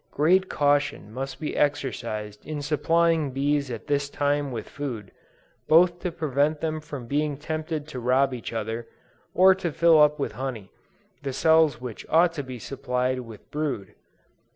Great caution must be exercised in supplying bees at this time with food, both to prevent them from being tempted to rob each other, or to fill up with honey, the cells which ought to be supplied with brood.